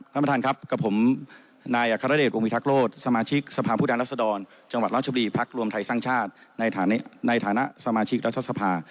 ท่านประธานครับกับผมนายอัครเดชวงวิทักษโลศสมาชิกสภาพผู้แทนรัศดรจังหวัดราชบุรีพักรวมไทยสร้างชาติในฐานะสมาชิกรัฐสภา